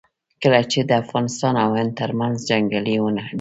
کله چې د افغانستان او هند ترمنځ جنګ ونښلي.